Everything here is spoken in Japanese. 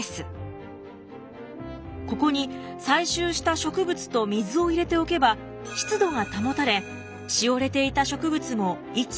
ここに採集した植物と水を入れておけば湿度が保たれしおれていた植物も息を吹き返すのです。